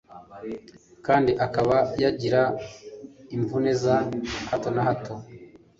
kandi akaba yagira imvune za hato na hato